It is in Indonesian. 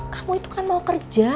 kamu itu kan mau kerja